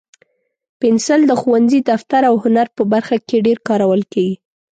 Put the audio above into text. پنسل د ښوونځي، دفتر، او هنر په برخه کې ډېر کارول کېږي.